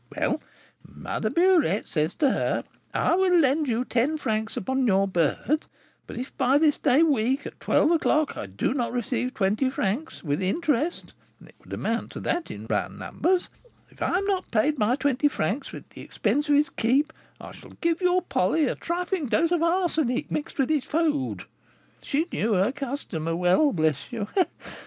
Well, Mother Burette said to her, 'I will lend you ten francs on your bird, but if by this day week at twelve o'clock I do not receive twenty francs with interest (it would amount to that in round numbers), if I am not paid my twenty francs, with the expenses of his keep, I shall give your Polly a trifling dose of arsenic mixed with his food.' She knew her customer well, bless you!